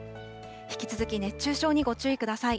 引き続き熱中症にご注意ください。